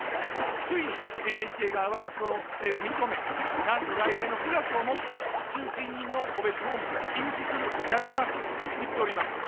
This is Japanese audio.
ついにＮＨＫ側は、その不正を認め、なんと来年の９月をもって集金人の戸別訪問を禁止する、やめますと言っております。